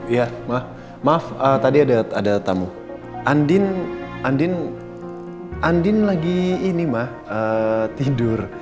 iya ma maaf tadi ada tamu andien andien andien lagi ini ma tidur